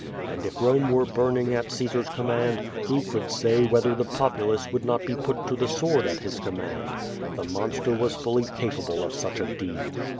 And if Rome were burning at Caesar's command, who could say whether the populace would not be put to the sword at his command? The monster was fully capable of such a deed.